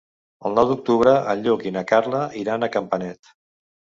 El nou d'octubre en Lluc i na Carla iran a Campanet.